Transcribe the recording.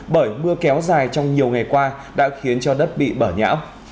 bởi mưa kéo dài trong nhiều ngày qua đã khiến cho đất bị bở nhã